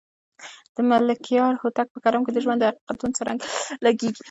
د ملکیار هوتک په کلام کې د ژوند د حقیقتونو څرک لګېږي.